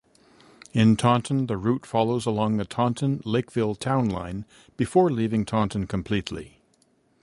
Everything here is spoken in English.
In Taunton, the route follows along the Taunton-Lakeville town line before leaving Taunton completely.